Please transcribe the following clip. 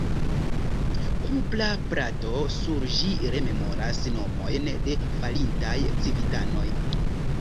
Kupra plato sur ĝi rememoras nomojn de falintaj civitanoj.